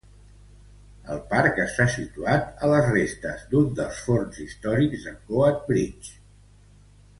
El parc està situat a les restes d'un dels forns històrics de Coatbridge.